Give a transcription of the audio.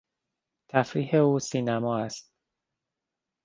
تفریح او سینما است.